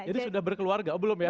jadi sudah berkeluarga belum ya